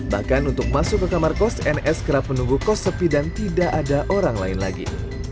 bahkan untuk masuk ke kamar kos ns kerap menunggu kos sepi dan tidak ada orang lain lagi